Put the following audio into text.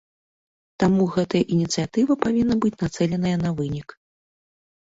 Таму гэтая ініцыятыва павінна быць нацэленая на вынік.